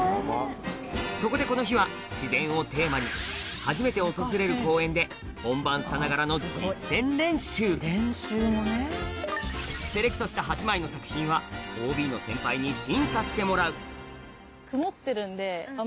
そこでこの日は「しぜん」をテーマに初めて訪れる公園で本番さながらの実践練習セレクトした８枚の作品はあっ難しいんだ今日は。